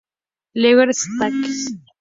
Leger Stakes.